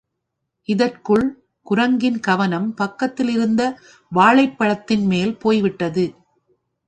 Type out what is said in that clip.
இதற்குள் குரங்கின் கவனம் பக்கத்திலிருந்த வாழைப்பழத்தின் மேல் போய்விட்டது.